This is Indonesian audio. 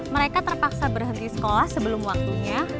mereka terpaksa berhenti sekolah sebelum waktunya